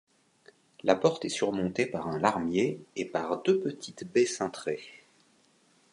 La porte est surmontée par un larmier et par deux petites baies cintrées.